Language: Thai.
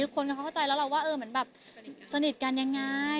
คนเข้าใจแล้วเราว่าสนิทกันยังไง